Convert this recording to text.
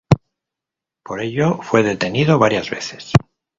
Por ello fue detenido varias veces.